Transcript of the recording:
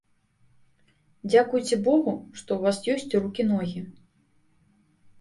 Дзякуйце богу, што ў вас ёсць рукі ногі.